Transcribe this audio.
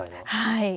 はい。